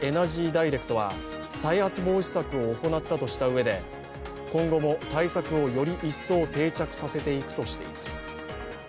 ダイレクトは再発防止策を行ったとしたうえで今後も対策を、より一層定着させていくとしています。